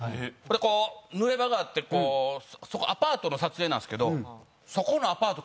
こう濡れ場があってそこアパートの撮影なんですけどそこのアパート